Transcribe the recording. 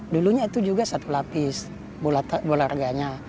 dulunya itu juga satu lapis sepak raga